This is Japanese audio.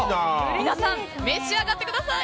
皆さん、召し上がってください。